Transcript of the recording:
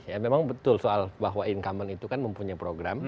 ya memang betul soal bahwa incumbent itu kan mempunyai program